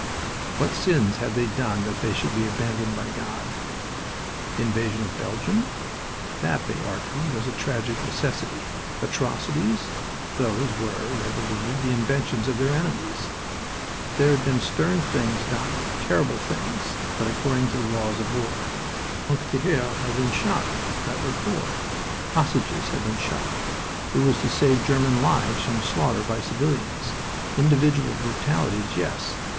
What sins had they done that they should be abandoned by God? The invasion of Belgium? That, they argued, was a tragic necessity. Atrocities? Those were (they believed) the inventions of their enemies. There had been stern things done, terrible things, but according to the laws of war. Francs tireurs had been shot. That was war. Hostages had been shot. It was to save German lives from slaughter by civilians. Individual brutalities, yes.